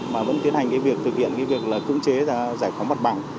mà vẫn tiến hành việc thực hiện việc cưỡng chế giải phóng mặt bằng